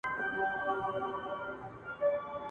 دا دغرونو لوړي څوکي ,